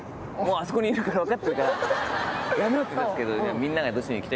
あそこにいるから分かってるからやめようっつったんですけど。